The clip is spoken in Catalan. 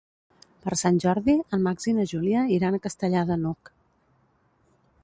Per Sant Jordi en Max i na Júlia iran a Castellar de n'Hug.